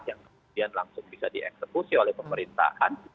yang kemudian langsung bisa dieksekusi oleh pemerintahan